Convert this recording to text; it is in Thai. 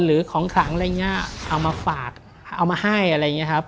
หรือของขลังอะไรอย่างเงี้ยเอามาฝากเอามาให้อะไรอย่างนี้ครับ